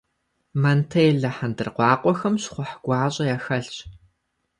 Монтеллэ хьэндыркъуакъуэхэм щхъухь гуащӏэ яхэлъщ.